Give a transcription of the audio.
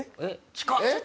近っ！